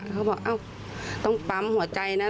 เขาบอกต้องปั๊มหัวใจนะ